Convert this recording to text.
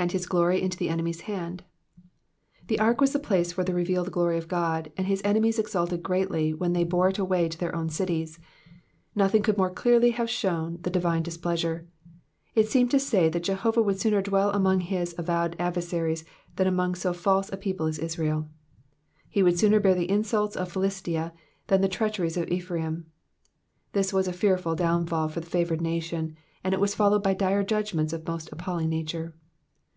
^^And» his glory into the enemy'* s hand,'*'* The ark was the place for the revealed glory of God, and his enemies exulted greatly when they bore it away into their owu cities. Nothing could more clearly have shewn the divine displeasure. It seemed to say that Jehovah would sooner dwell among his avowed adversaries than among so false a people as Israel ; he would sooner bear the insults of Philistia than the treacheries of Ephraim. This was a fearful downfall for the favoured nation, and it' was followed by dire judgments of most appalling nature.